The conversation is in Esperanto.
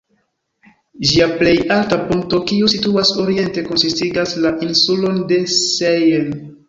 Ĝia plej alta punkto, kiu situas oriente, konsistigas la insulon de Sein.